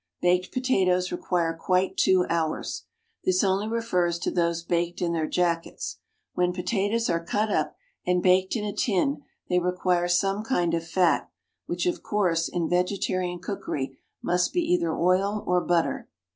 Baked potatoes require quite two hours. This only refers to those baked in their jackets. When potatoes are cut up and baked in a tin they require some kind of fat, which, of course, in vegetarian cookery must be either oil or butter.